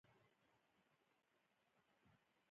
ګاونډیان شتون لري